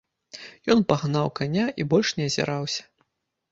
Ён пагнаў каня і больш не азіраўся.